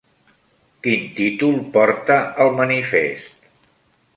Quin títol porta el manifest?